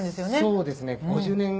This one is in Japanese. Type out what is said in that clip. そうですね。